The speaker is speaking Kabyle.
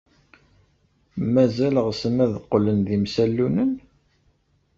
Mazal ɣsen ad qqlen d imsallunen?